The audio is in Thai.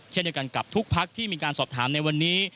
เช่นเดียวกันกับทุกพักที่มีการสอบถามในวันนี้